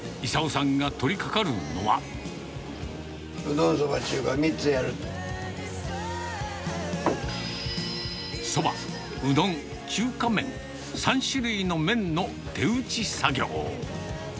うどん、そば、中華、３つやそば、うどん、中華麺、３種類の麺の手打ち作業。